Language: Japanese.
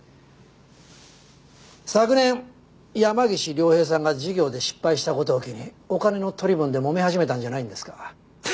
昨年山岸凌平さんが事業で失敗した事を機にお金の取り分でもめ始めたんじゃないんですか？